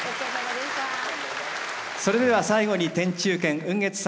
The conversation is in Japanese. それでは最後に天中軒雲月さん